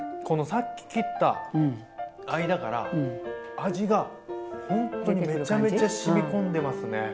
このさっき切った間から味がほんとにめちゃめちゃしみ込んでますね。